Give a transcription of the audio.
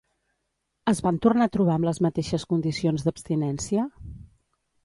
Es van tornar a trobar amb les mateixes condicions d'abstinència?